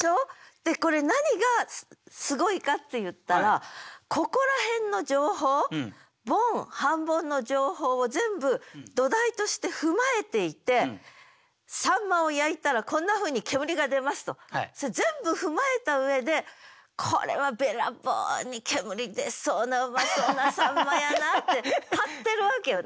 でこれ何がすごいかっていったらここら辺の情報ボン半ボンの情報を全部土台として踏まえていて秋刀魚を焼いたらこんなふうに煙が出ますと全部踏まえた上で「これはべらぼうに煙出そうなうまそうな秋刀魚やな」って買ってるわけよね。